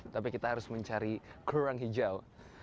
tapi kita harus mencari kerang hijau